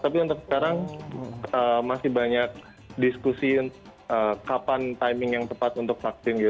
tapi untuk sekarang masih banyak diskusi kapan timing yang tepat untuk vaksin gitu